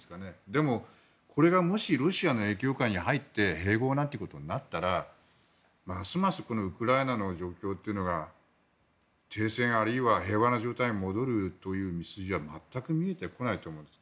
でも、これがもしロシアの影響下に入って併合なんてことになったらますますウクライナの状況というのが停戦あるいは平和な状態に戻るという道筋は全く見えてこないと思います。